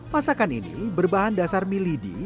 masakan ini berbahan dasar milidi